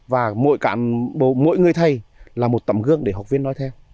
và mỗi người thầy là một tầm gương để học viên nói theo